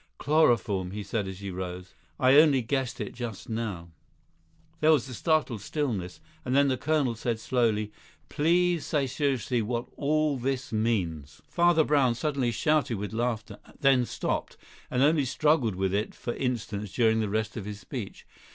"Chloroform," he said as he rose; "I only guessed it just now." There was a startled stillness, and then the colonel said slowly, "Please say seriously what all this means." Father Brown suddenly shouted with laughter, then stopped, and only struggled with it for instants during the rest of his speech.